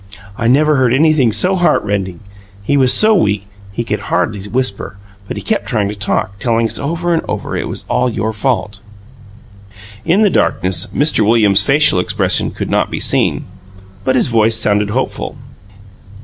I never heard anything so heart rending he was so weak he could hardly whisper, but he kept trying to talk, telling us over and over it was all your fault." In the darkness Mr. Williams' facial expression could not be seen, but his voice sounded hopeful.